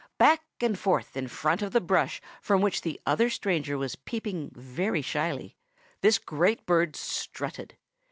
Back and forth in front of the brush from which the other stranger was peeping very shyly this great bird strutted.